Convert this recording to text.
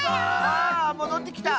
あもどってきた。